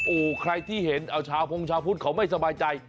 โอ้โหใครที่เห็นเอาชาวพงชาวพุทธเขาไม่สบายใจ